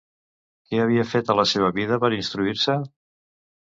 Què havia fet a la seva vida per instruir-se?